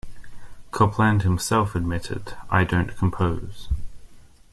Copland himself admitted, I don't compose.